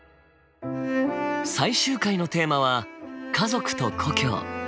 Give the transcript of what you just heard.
最終回のテーマは「家族と故郷」。